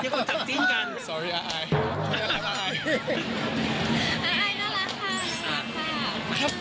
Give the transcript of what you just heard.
โทษปีนแล้วนะครับ